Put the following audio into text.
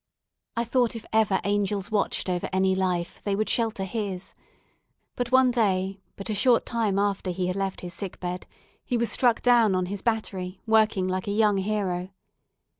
I thought if ever angels watched over any life, they would shelter his; but one day, but a short time after he had left his sick bed, he was struck down on his battery, working like a young hero.